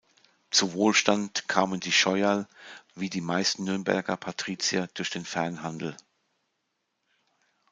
Zu Wohlstand kamen die Scheurl, wie die meisten Nürnberger Patrizier, durch den Fernhandel.